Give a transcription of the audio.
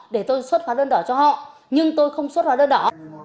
để tôi xuất hóa đơn đỏ cho họ nhưng tôi không xuất hóa đơn đó